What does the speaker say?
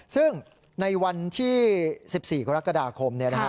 ซึ่งในวันที่๑๔กรกฎาคม